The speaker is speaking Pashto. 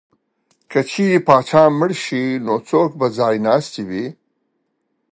که چېرې پاچا مړ شي نو څوک به ځای ناستی وي؟